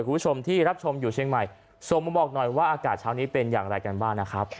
คุณผู้ชมที่รับชมอยู่เชียงใหม่ส่งมาบอกหน่อยว่าอากาศเช้านี้เป็นอย่างไรกันบ้างนะครับ